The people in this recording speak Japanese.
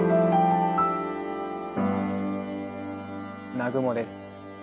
南雲です。